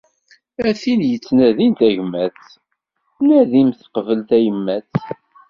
A tid yettnadin tagmat nadimt qebbel tayemmat!